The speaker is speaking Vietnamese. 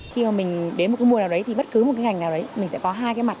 khi mà mình đến một cái mùa nào đấy thì bất cứ một cái ngành nào đấy mình sẽ có hai cái mặt